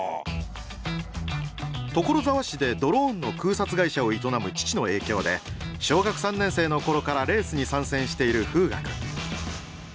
所沢市でドローンの空撮会社を営む父の影響で小学３年生の頃からレースに参戦している風雅君。